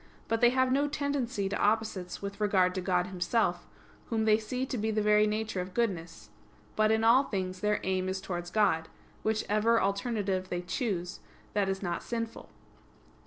But they have no tendency to opposites with regard to God Himself, Whom they see to be the very nature of goodness; but in all things their aim is towards God, which ever alternative they choose, that is not sinful.